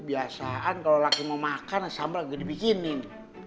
biasaan kalau laki mau makan sambal lagi dibikinin